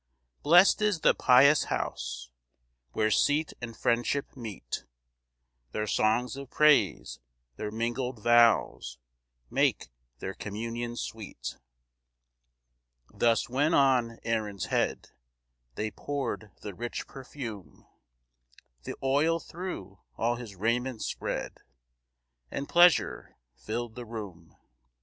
2 Blest is the pious house Where seat and friendship meet, Their songs of praise, their mingled vows Make their communion sweet. 3 Thus when on Aaron's head They pour'd the rich perfume, The oil thro' all his raiment spread, And pleasure fill'd the room.